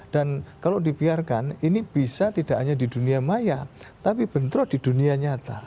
dan kalau dibiarkan ini bisa tidak hanya di dunia maya tapi bentrok di dunia nyata